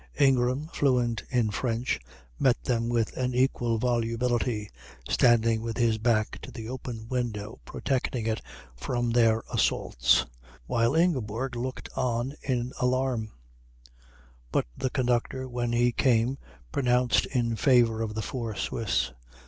Ingram, fluent in French, met them with an equal volubility, standing with his back to the open window protecting it from their assaults, while Ingeborg looked on in alarm; but the conductor when he came pronounced in favour of the four Swiss.